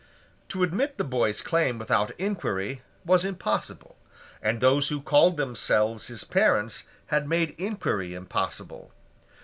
To admit the boy's claim without inquiry was impossible; and those who called themselves his parents had made inquiry impossible.